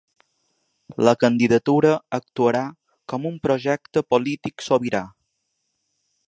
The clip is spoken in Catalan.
La candidatura actuarà com un projecte polític sobirà.